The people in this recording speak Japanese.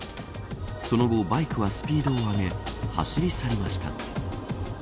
その後バイクはスピードを上げ走り去りました。